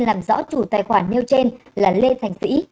làm rõ chủ tài khoản nêu trên là lê thành vĩ